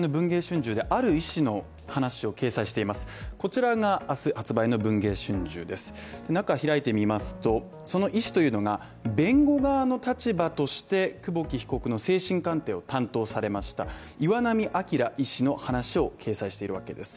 中、開いてみますと、その医師というのが、弁護側の立場として久保木被告の精神鑑定を担当されました岩波医師の話を掲載しているわけです。